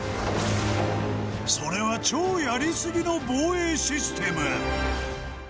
それは超やりすぎの防衛システム